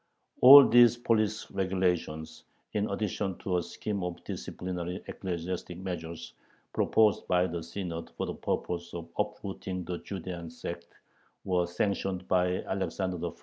All these police regulations, in addition to a scheme of disciplinary ecclesiastic measures, proposed by the Synod for the purpose "of uprooting the Judean sect," were sanctioned by Alexander I.